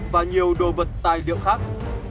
và nhiều đồ vật tài liệu khác